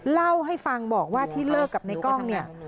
เล่าให้ฟังบอกว่าที่เลิกกับในกล้องเนี่ย